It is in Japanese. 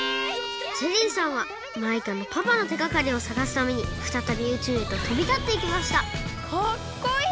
ジェリーさんはマイカのパパのてがかりをさがすためにふたたび宇宙へととびたっていきましたかっこいい！